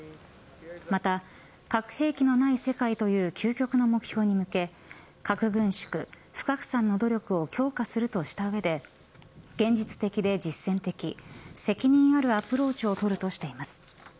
また、核兵器のない世界という究極の目標に向け核軍縮、不拡散の努力を強化するとした上で現実的で実践的責任あるアプローチを取るとしています。